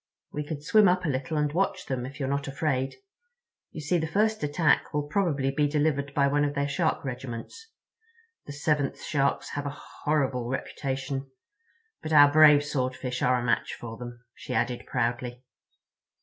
"We could swim up a little and watch them, if you're not afraid. You see, the first attack will probably be delivered by one of their Shark regiments. The 7th Sharks have a horrible reputation. But our brave Swordfish are a match for them," she added proudly.